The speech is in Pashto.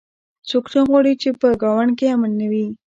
څوک نه غواړي چې په ګاونډ کې امن نه وي